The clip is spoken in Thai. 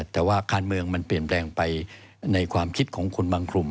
แต่ว่าการเมืองมันเปลี่ยนแปลงไปในความคิดของคนบางกลุ่ม